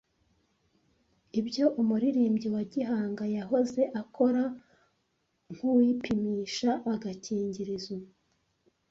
Ibyo umuririmbyi wa gihanga yahoze akora nkuwipimisha agakingirizo